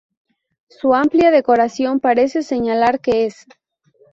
Su amplia decoración parece señalar que es.